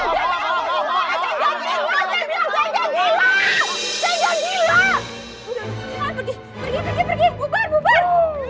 pergi pergi pergi pergi bumbar bubar